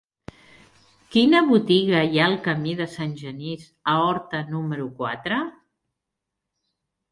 Quina botiga hi ha al camí de Sant Genís a Horta número quatre?